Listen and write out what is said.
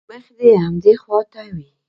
مخ دې هم همدې خوا ته وي.